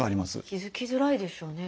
気付きづらいでしょうね